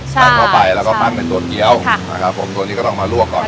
ปั้นเข้าไปแล้วก็ปั้นในตัวเกี้ยวนะครับผมตัวนี้ก็ต้องมาลวกก่อน